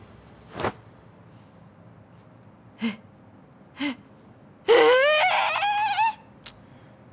えっえっえ！？